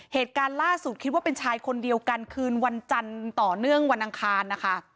เหตุการณ์ล่าสุดคิดว่าเป็นชายคนเดียวกันคืนวันจันทร์ต่อเนื่องวันอังคารนะคะ